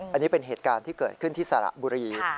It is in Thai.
อันนี้เป็นเหตุการณ์ที่เกิดขึ้นที่สระบุรี